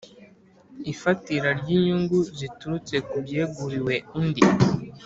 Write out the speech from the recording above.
Ifatira ry inyungu ziturutse ku byeguriwe undi